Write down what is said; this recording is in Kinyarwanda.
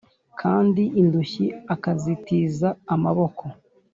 kandi indushyi akazitiza amaboko